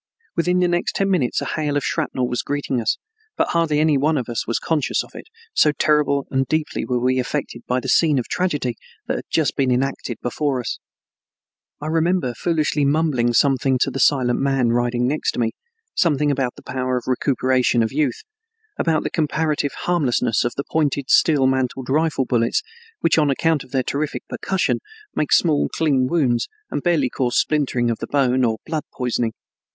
Within the next ten minutes a hail of shrapnel was greeting us, but hardly any one of us was conscious of it, so terribly and deeply were we affected by the scene of tragedy that had just been enacted before us. I remember foolishly mumbling something to the silent man riding next to me, something about the power of recuperation of youth, about the comparative harmlessness of the pointed, steelmantled rifle bullets which on account of their terrific percussion make small clean wounds and rarely cause splintering of the bone or blood poisoning.